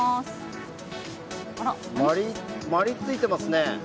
まり、ついてますね。